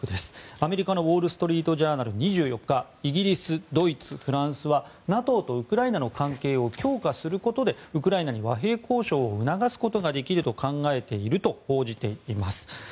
アメリカのウォール・ストリート・ジャーナルは２４日イギリス、ドイツ、フランスはＮＡＴＯとウクライナの関係を強化することでウクライナに和平交渉を促すことができると考えていると報じています。